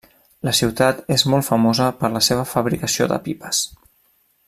La ciutat és molt famosa per la seva fabricació de pipes.